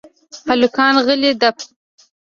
هلکان غلي دپ .